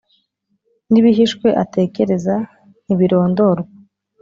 N ibihishwe atekereza ntibirondorwa